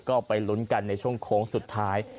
ก็ไปลุ้นกันในช่วงโค้งสุดท้าย